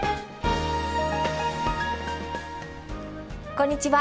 こんにちは。